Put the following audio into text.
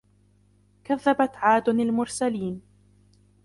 كذبت عاد المرسلين